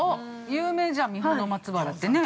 ◆有名じゃん、三保の松原ってね。